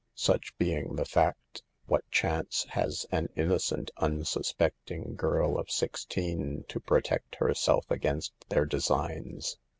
Such being the fact, what chance has an innocent, unsuspecting girl of sixteen to protect herself against their designs?